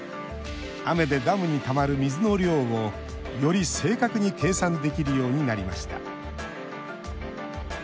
雨でダムにたまる水の量をより正確に計算できるようになりました。